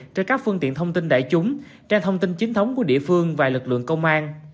trên các phương tiện thông tin đại chúng trang thông tin chính thống của địa phương và lực lượng công an